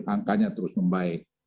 angkanya terus membaik